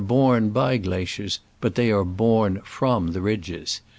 115 by glaciers, but they are bom from the ridges.